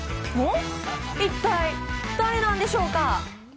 一体誰なんでしょうか？